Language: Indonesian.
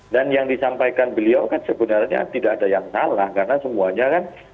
dan yang disampaikan beliau kan sebenarnya tidak ada yang salah karena semuanya kan terhadap masyarakat